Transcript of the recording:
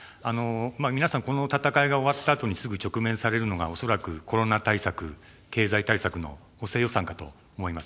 皆さん、この戦いが終わったあとにすぐ直面されるのが、恐らくコロナ対策、経済対策の補正予算かと思います。